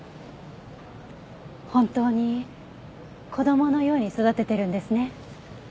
本当に子供のように育ててるんですね。